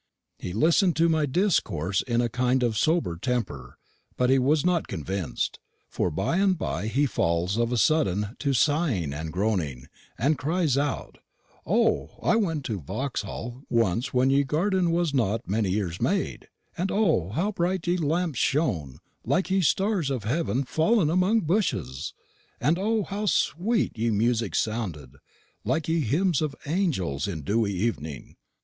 He listen'd to my discoorse in a kind and sober temper, but he was not convinc'd; for by and by he falls of a sudden to sighing and groaning, and cries out, 'O, I went to Vauxhall once when ye garden was not many years made, and O, how bright ye lamps shone, like ye stars of heaven fallen among bushes! and O, how sweet ye music sounded, like ye hymns of angels in ye dewy evening!